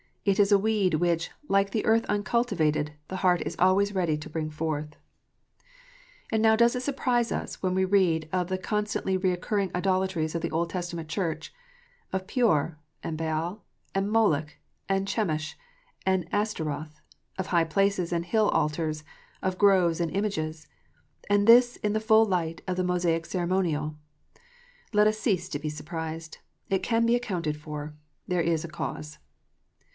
It is a weed which, like the earth uncultivated, the heart is always ready to bring forth. And now does it surprise us, when we read of the constantly recurring idolatries of the Old Testament Church, of Poor, and Baal, and Moloch, and Chemosh, and Ashtaroth, of high places and hill altars, and groves and images, and this in the full light of the Mosaic ceremonial 1 Let us cease to be surprised. It can be accounted for. There is a cause.